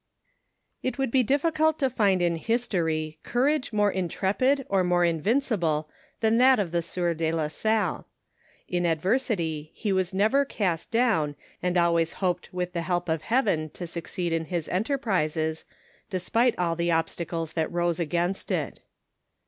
It would be difficult to find in history courage more intrep id or more invincible than that of the sieur de la Salle ; in adversity he was never cast down, and always hoped with the help of Heaven to succeed in his enterprises, despite all the obstacles that rose against it.